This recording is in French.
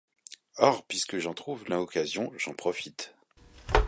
Or, puisque j’en trouve l’occasion, j’en profite.